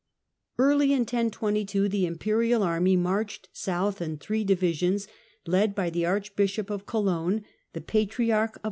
Early in 1022 the imperial army marched south in three divisions, led by the Arch Iishop of Cologne, the Patriarch of